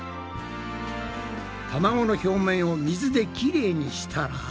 卵の表面を水できれいにしたら。